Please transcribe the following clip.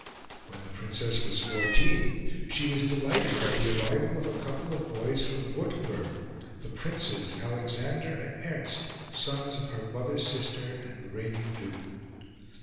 When the Princess was fourteen she was delighted by the arrival of a couple of boys from Wurtemberg, the Princes Alexander and Ernst, sons of her mother's sister and the reigning duke.